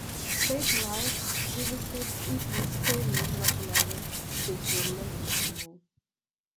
Late in life he received Italy's Premio Internazionale di Giornalismo.